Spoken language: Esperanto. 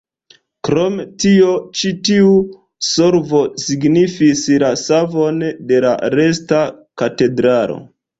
Krom tio ĉi tiu solvo signifis la savon de la resta katedralo.